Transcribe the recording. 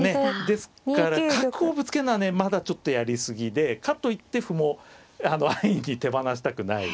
ですから角をぶつけるのはねまだちょっとやり過ぎでかといって歩も安易に手放したくない。